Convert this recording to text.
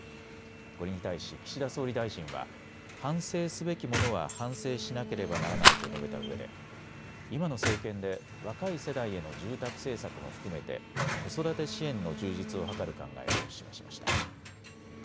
これに対し岸田総理大臣は反省すべきものは反省しなければならないと述べたうえで、今の政権で若い世代への住宅政策も含めて子育て支援の充実を図る考えを示しました。